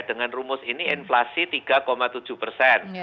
dengan rumus ini inflasi tiga tujuh persen